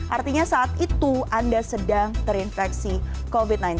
artinya saat itu anda sedang terinfeksi covid sembilan belas